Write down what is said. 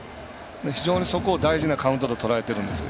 非常に、そこを大事なカウントととらえているんですよ。